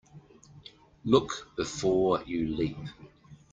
Look before you leap.